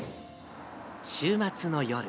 週末の夜。